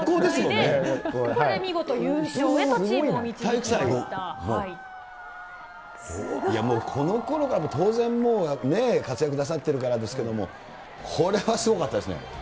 これ、いやもう、このころから当然もうね、活躍なさっているからですけども、これはすごかったです